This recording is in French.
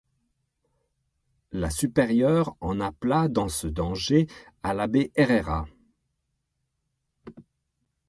La supérieure en appela, dans ce danger, à l’abbé Herrera.